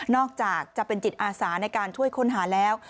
อกจากจะเป็นจิตอาสาในการช่วยค้นหาแล้ว